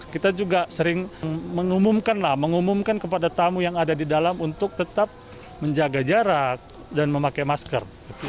kita juga sering mengumumkan kepada tamu yang ada di dalam untuk tetap menjaga jarak dan memakai masker